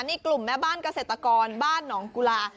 นี่กลุ่มแม่บ้านเกษตรกรบ้านหนองกุลา